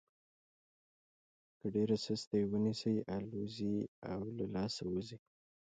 که ډېره سسته یې ونیسئ الوزي او له لاسه وځي.